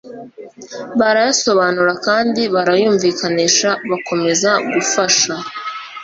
barayasobanura kandi barayumvikanisha bakomeza gufasha